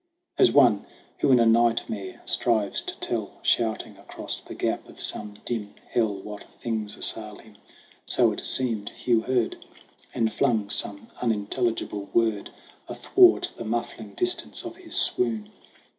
As one who in a nightmare strives to tell Shouting across the gap of some dim hell What things assail him ; so it seemed Hugh heard, And flung some unintelligible word Athwart the muffling distance of his swoon.